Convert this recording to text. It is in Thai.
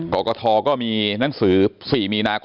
กรกธอณฑ์มีหนังสือ๔มีนาค